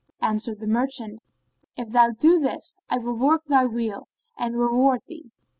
Answered the merchant, "If thou do this, I will work thy weal—and reward thee."